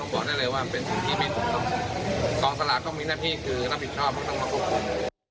กองสลากก็มีหน้าที่คือนักผิดชอบก็ต้องมาควบคุม